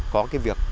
có cái việc